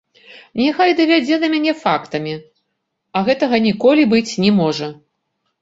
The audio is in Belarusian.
Няхай давядзе на мяне фактамі, а гэтага ніколі быць не можа.